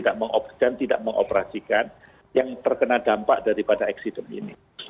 dan tidak mengoperasikan yang terkena dampak daripada eksiden ini